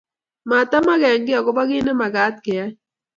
Matemagengi akopo kit nemagat keyai